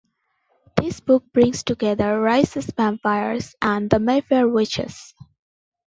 This book brings together Rice's vampires and the Mayfair Witches.